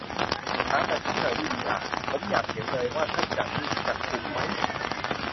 ถามแบบพี่หน่อยนี่ดีอะ ผมอยากเห็น เลยว่าถ้าจัดนี่จะคุ้มไหม